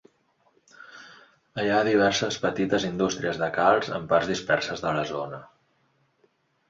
Hi ha diverses petites indústries de calç en parts disperses de la zona.